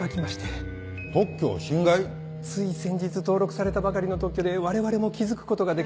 つい先日登録されたばかりの特許で我々も気付くことができず。